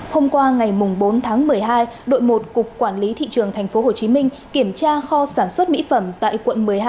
hôm qua ngày bốn tháng một mươi hai đội một cục quản lý thị trường tp hcm kiểm tra kho sản xuất mỹ phẩm tại quận một mươi hai